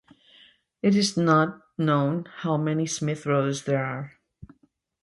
It is not known how many Smith brothers there are.